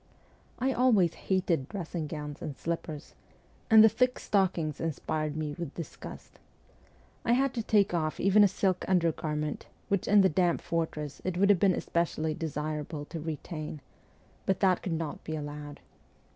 I always hated dressing gowns and slippers, and the thick stockings inspired me with disgust. I had to take off even a silk undergarment, which in the damp fortress it would have been especially desirable to retain, but that could not be allowed.